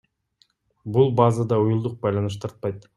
Бул базада уюлдук байланыш тартпайт.